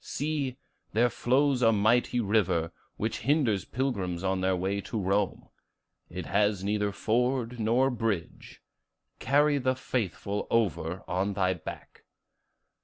See, there flows a mighty river, which hinders pilgrims on their way to Rome; it has neither ford nor bridge: carry the faithful over on thy back.